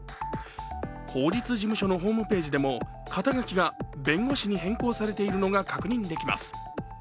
法律事務所のホームページでも、肩書が弁護士に変更されているのが確認できます。